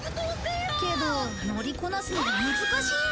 けど乗りこなすのが難しいんだ